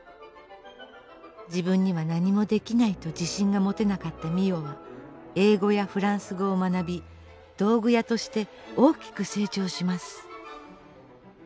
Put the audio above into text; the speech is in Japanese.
自分には何もできないと自信が持てなかった美世は英語やフランス語を学び道具屋として大きく成長します。